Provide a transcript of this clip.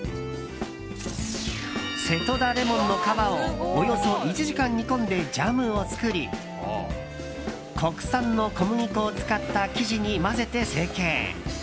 瀬戸田レモンの皮をおよそ１時間煮込んでジャムを作り国産の小麦粉を使った生地に混ぜて成形。